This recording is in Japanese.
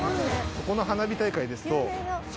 そこの花火大会ですと。